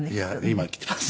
今きてます。